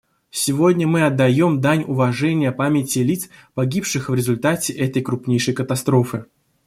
Сегодня мы отдаем дань уважения памяти лиц, погибших в результате этой крупнейшей катастрофы.